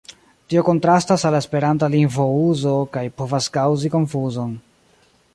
Tio kontrastas al la esperanta lingvouzo kaj povas kaŭzi konfuzon.